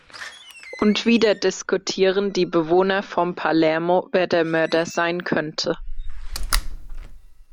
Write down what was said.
Und wieder diskutieren die Bewohner von Palermo, wer der Mörder sein könnte.